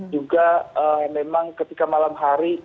juga memang ketika malam hari